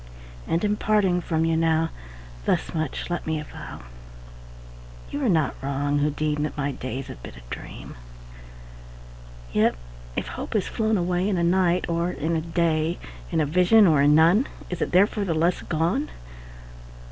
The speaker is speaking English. And, in parting from you now, Thus much let me avow You are not wrong, who deem That my days have been a dream: Yet if hope has flown away In a night, or in a day, In a vision or in none, Is it therefore the less gone?